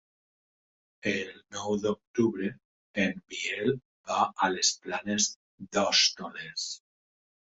El nou d'octubre en Biel va a les Planes d'Hostoles.